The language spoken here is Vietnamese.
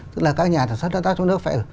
tức là các nhà sản xuất đáp giá trong nước